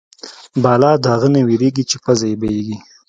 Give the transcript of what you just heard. بلا د اغه نه وېرېږي چې پزه يې بيېږي.